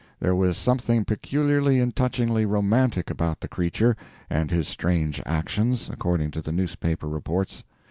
There was something peculiarly and touchingly romantic about the creature and his strange actions, according to the newspaper reports.